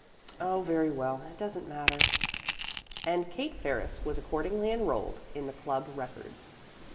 "Oh, very well; it doesn't matter." And Kate Ferris was accordingly enrolled in the club records.